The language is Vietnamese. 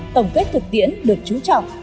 tổng kết thực tiễn được chú trọng